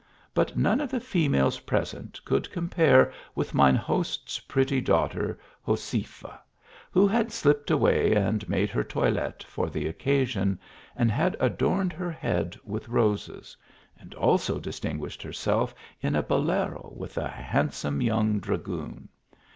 But none of the females present could com pare with mine host s pretty daughter Josefa, who had slipped away and made her toilette for the occa sion, and had adorned her head with roses ; and also distinguished herself in a bolero with a handsome young dragoon.